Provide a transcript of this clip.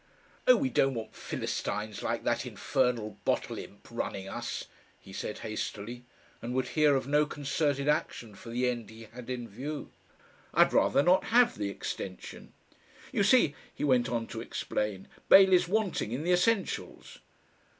"Oh, we don't want Philistines like that infernal Bottle Imp running us," he said hastily, and would hear of no concerted action for the end he had in view. "I'd rather not have the extension. "You see," he went on to explain, "Bailey's wanting in the essentials."